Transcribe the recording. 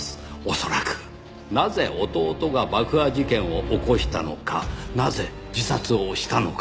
恐らくなぜ弟が爆破事件を起こしたのかなぜ自殺をしたのか。